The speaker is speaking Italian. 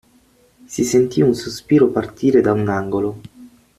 Si sentì un sospiro partire da un angolo.